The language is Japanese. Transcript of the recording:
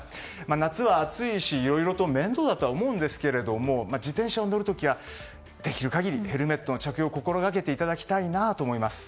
夏は暑いしいろいろと面倒だとは思うんですが自転車に乗る時はできる限りヘルメットの着用を心掛けていただきたいなと思います。